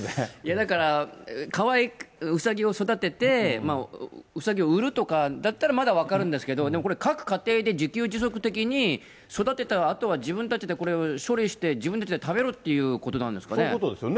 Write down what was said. だから、うさぎを育てて、うさぎを売るとかだったら、まだ分かるんですけど、でもこれ各家庭で自給自足的に、育てたあとは自分たちでこれを処理して、自分たちで食べろっていうことなんですそういうことですよね。